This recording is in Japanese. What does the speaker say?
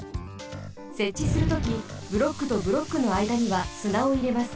せっちするときブロックとブロックのあいだにはすなをいれます。